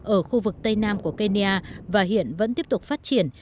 ở khu vực tây nam của kenya và hiện vẫn tiếp tục phát triển